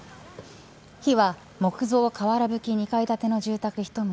火は木造瓦ぶきの２階建ての住宅１棟